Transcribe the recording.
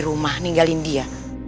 rumah ninggalin dia